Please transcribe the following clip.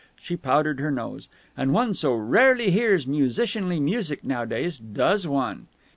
She powdered her nose. "And one so rarely hears musicianly music nowadays, does one?"